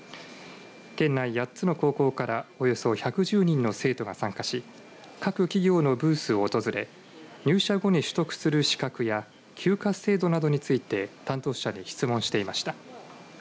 県内８つの高校からおよそ１１０人の生徒が参加し各企業のブースを訪れ入社後に取得する資格や休暇制度などについて担当者に質問していました。